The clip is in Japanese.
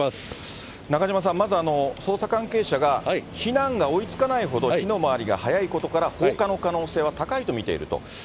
中島さん、まず捜査関係者が、避難が追いつかないほど火の回りが速いことから放火の可能性は高いと見ていると。